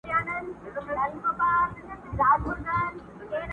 میاشت لا نه وه تېره سوې چي قیامت سو!.